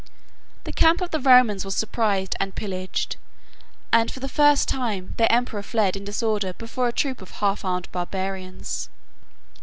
The camp of the Romans was surprised and pillaged, and, for the first time, their emperor fled in disorder before a troop of half armed barbarians.